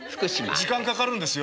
時間かかるんですよ。